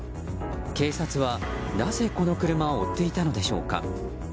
警察はなぜこの車を追っていたのでしょうか。